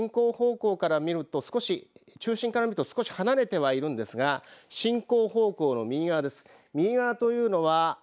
東海地方は進行方向から見ると少し、中心から見ると離れてはいるんですが進行方向の右側です。